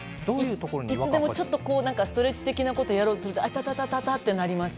いつでもちょっとストレッチ的なことをやろうとすると、あたたたた！となります。